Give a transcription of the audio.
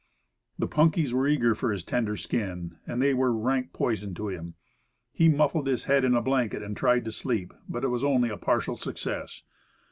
The punkies were eager for his tender skin, and they were rank poison to him. He muffled his head in a blanket and tried to sleep, but it was only a partial success.